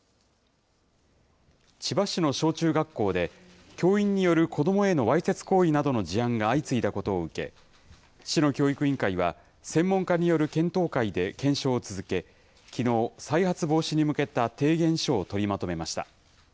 千葉市の小中学校で、教員による子どもへのわいせつ行為などの事案が相次いだことを受け、市の教育委員会は、専門家による検討会で検証を続け、きのう、再発防止に向けた提言書を取りまとめました。